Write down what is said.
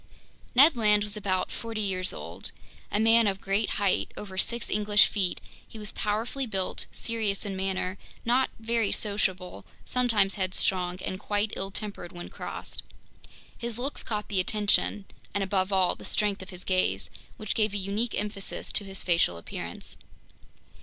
Ned Land was about forty years old. A man of great height—over six English feet—he was powerfully built, serious in manner, not very sociable, sometimes headstrong, and quite ill tempered when crossed. His looks caught the attention, and above all the strength of his gaze, which gave a unique emphasis to his facial appearance.